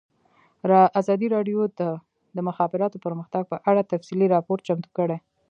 ازادي راډیو د د مخابراتو پرمختګ په اړه تفصیلي راپور چمتو کړی.